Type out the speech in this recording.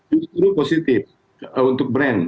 justru positif untuk brand